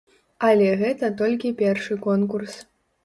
Але гэта толькі першы конкурс.